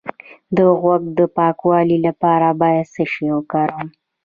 د غوږ د پاکوالي لپاره باید څه شی وکاروم؟